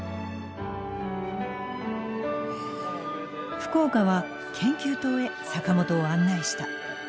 福岡は研究棟へ坂本を案内した。